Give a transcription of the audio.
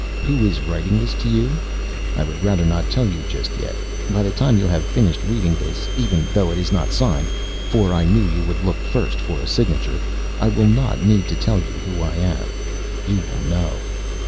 "Who is writing this to you? I would rather not tell you just yet. By the time you have finished reading this, even though it is not signed (for I knew you would look first for a signature), I will not need to tell you who I am. You will know.